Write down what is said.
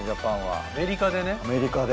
アメリカでね。